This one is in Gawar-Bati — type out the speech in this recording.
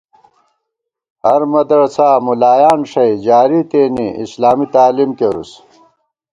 ہرمدرسا مُلایان ݭَئی جاری تېنے اسلامی تعلیم کېرُوس